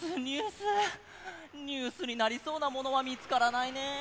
ニュースになりそうなものはみつからないね。